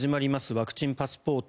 ワクチンパスポート